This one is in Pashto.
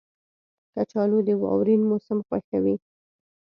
کچالو د واورین موسم خوښوي